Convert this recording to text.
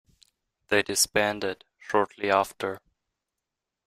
They disbanded shortly after.